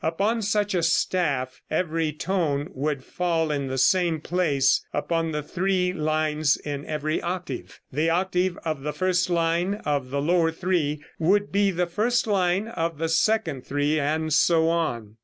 Upon such a staff every tone would fall in the same place upon the three lines in every octave, the octave of the first line of the lower three would be the first line of the second three, and so on.